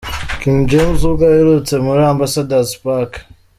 King James ubwo aherutse muri Ambassador's Park.